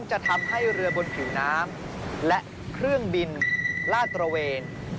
จะทำให้เรือบนผิวน้ำและเครื่องบินลาดตระเวน